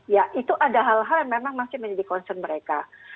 ya itu ada hal hal yang memang masih menjadi concern mereka